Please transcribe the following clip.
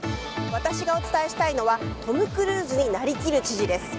私がお伝えしたいのはトム・クルーズになりきる知事です。